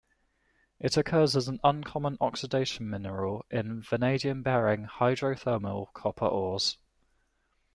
It occurs as an uncommon oxidation mineral in vanadium bearing hydrothermal copper ores.